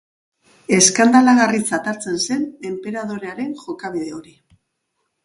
Eskandalagarritzat hartzen zen enperadorearen jokabide hori.